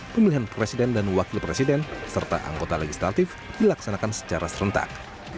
pemilihan presiden dan wakil presiden serta anggota legislatif dilaksanakan secara serentak